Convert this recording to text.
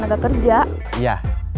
naga kerja iya